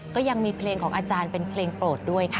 ก็ยังมีเพลงของอาจารย์เป็นเพลงโปรดด้วยค่ะ